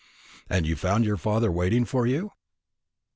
"And you found your father waiting for you?"